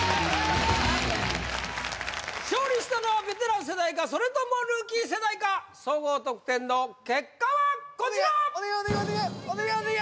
勝利したのはベテラン世代かそれともルーキー世代か総合得点の結果はこちらお願いお願い